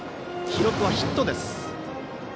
記録はヒットです。